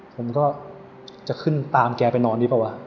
ผมก็จะขึ้นตามแกไปนอนดีกว่าว่ะ